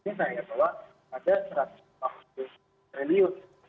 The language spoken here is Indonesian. ini saya kira bahwa ada seratus tahun terlihat